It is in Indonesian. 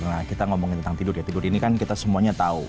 nah kita ngomongin tentang tidur ya tidur ini kan kita semuanya tahu